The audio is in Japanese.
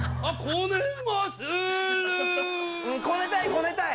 ・こねたい！